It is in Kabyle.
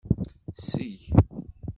Seg.